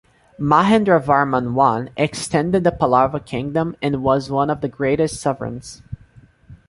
Mahendravarman I extended the Pallava Kingdom and was one of the greatest sovereigns.